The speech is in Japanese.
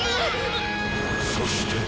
そして！